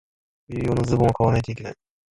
冬用のズボンを買わないといけない。